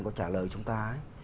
có trả lời chúng ta ấy